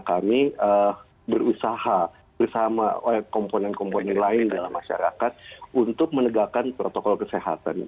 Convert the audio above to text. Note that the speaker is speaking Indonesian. kami berusaha bersama komponen komponen lain dalam masyarakat untuk menegakkan protokol kesehatan